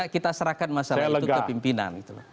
kita serahkan masalah itu ke pimpinan